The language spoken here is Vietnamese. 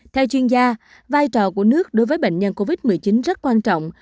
theo chuyên gia vai trò của nước đối với bệnh nhân covid một mươi chín rất quan trọng